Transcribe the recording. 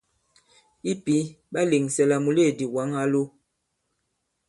I pǐ, ɓa lèŋsɛ la mùleèdì wǎŋ a lo.